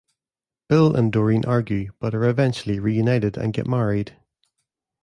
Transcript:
Bill and Doreen argue, but are eventually reunited and get married.